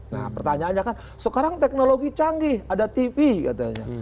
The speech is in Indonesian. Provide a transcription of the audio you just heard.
nah pertanyaannya kan sekarang teknologi canggih ada tv katanya